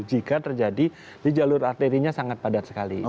jika terjadi di jalur arterinya sangat padat sekali